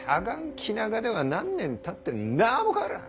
気長では何年たってん何も変わらん。